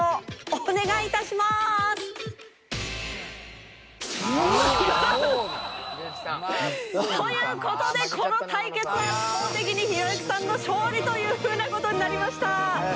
お願い致します！という事でこの対決は圧倒的にひろゆきさんの勝利というふうな事になりました！